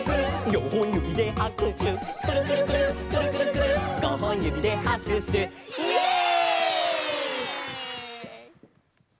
「よんほんゆびではくしゅ」「くるくるくるっくるくるくるっごほんゆびではくしゅ」イエイ！